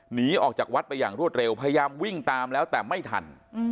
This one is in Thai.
หนีออกจากวัดไปอย่างรวดเร็วพยายามวิ่งตามแล้วแต่ไม่ทัน